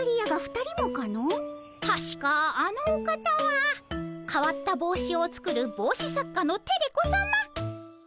たしかあのお方はかわった帽子を作る帽子作家のテレ子さま。